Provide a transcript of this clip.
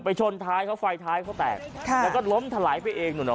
ชนท้ายเขาไฟท้ายเขาแตกค่ะแล้วก็ล้มถลายไปเองนู่นอ่ะ